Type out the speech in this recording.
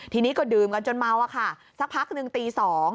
ทีนี้ก็ดื่มกันจนเมาอะค่ะสักพักหนึ่งตี๒